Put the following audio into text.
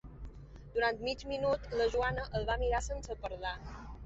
Durant mig minut la Joana el va mirar sense parlar.